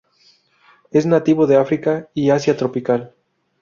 Es nativo de África y Asia tropical.